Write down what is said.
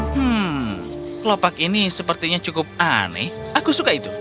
hmm kelopak ini sepertinya cukup aneh aku suka itu